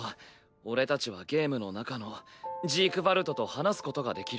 俺たちはゲームの中のジークヴァルトと話すことができる。